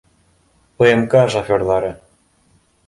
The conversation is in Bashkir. ПМК шоферҙары